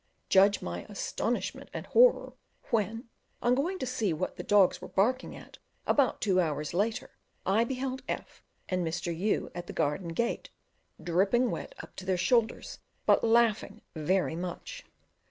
Judge of my astonishment and horror when, on going to see what the dogs were barking at, about two hours later, I beheld F and Mr. U at the garden gate, dripping wet up to their shoulders, but laughing very much.